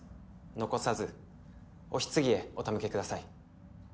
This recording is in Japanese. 残さずお棺へお手向けください。